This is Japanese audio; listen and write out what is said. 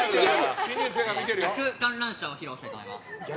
逆観覧車を披露したいと思います。